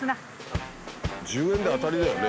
１０円で当たりだよね。